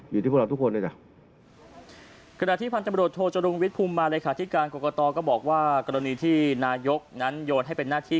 อยู่ที่พวกเราทุกคนนะจ๊ะ